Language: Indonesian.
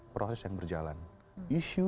proses yang berjalan isu